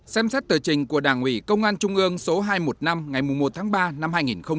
xem xét tờ trình của đảng ủy công an trung ương số hai trăm một mươi năm ngày một tháng ba năm hai nghìn hai mươi